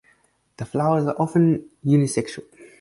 The flowers are often unisexual.